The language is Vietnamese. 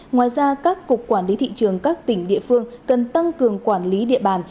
ngoài ra các cục quản lý thị trường các tỉnh địa phương cần tăng cường quản lý địa bàn